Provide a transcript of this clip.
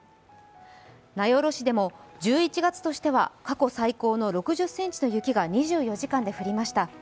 名寄市でも１１月年は過去最高の６０ｃｍの雪が２４時間で降りました。